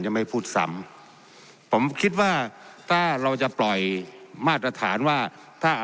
ไม่พูดซ้ำผมคิดว่าถ้าเราจะปล่อยมาตรฐานว่าถ้า